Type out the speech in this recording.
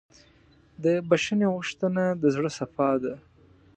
د بښنې غوښتنه د زړۀ صفا ده.